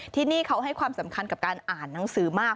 ที่นี่เขาให้ความสำคัญกับการอ่านหนังสือมาก